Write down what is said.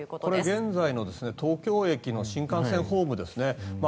現在の東京駅の新幹線ホームですね。